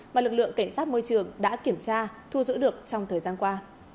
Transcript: mà lực lượng cảnh sát môi trường đã kiểm tra thu giữ được trong thời gian qua